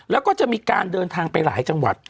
แล้วก็จะมีการเดินทางไปหลายจังหวัด